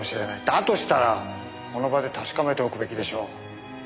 だとしたらこの場で確かめておくべきでしょう。